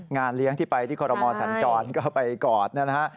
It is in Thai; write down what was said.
งานเลี้ยงที่ไปที่กรมมสรรค์จอนดรเอกก็ไปก่อนนะฮะ